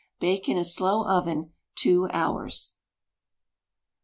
Bake in a slow oven two hours.